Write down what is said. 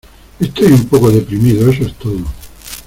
Estoy un poco de deprimido, eso es todo.